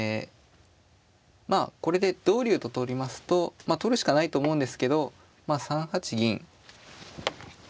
まあこれで同竜と取りますとまあ取るしかないと思うんですけど３八銀。